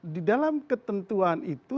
di dalam ketentuan itu